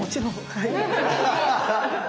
はい。